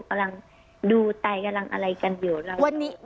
กำลังดูไตกำลังอะไรกันอยู่แล้ว